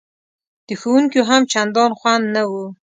د ښوونکیو هم چندان خوند نه و.